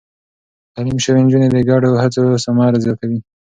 تعليم شوې نجونې د ګډو هڅو ثمر زياتوي.